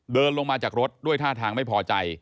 เดินลงมาจากรถด้วยท่าทางไม่พอใจ